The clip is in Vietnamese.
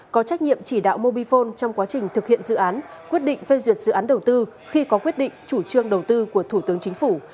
có trách nhiệm chỉ đạo mobifone trong quá trình thực hiện dự án quyết định phê duyệt dự án đầu tư khi có quyết định chủ trương đầu tư của thủ tướng chính phủ